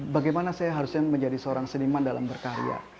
bagaimana saya harusnya menjadi seorang seniman dalam berkarya